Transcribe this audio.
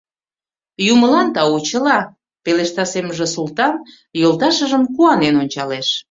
«Юмылан тау, чыла! — пелешта семынже Султан, йолташыжым куанен ончалеш.